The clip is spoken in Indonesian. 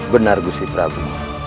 benar gusti prabu